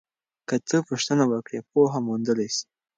که ته پوښتنه وکړې پوهه موندلی سې.